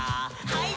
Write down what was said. はい。